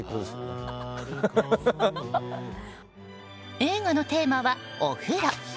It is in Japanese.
映画のテーマは、お風呂。